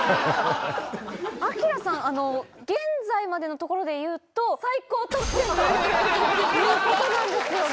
アキラさん、現在までのところでいうと、最高得点ということなんですよね。